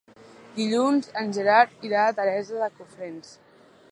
Dilluns en Gerard irà a Teresa de Cofrents.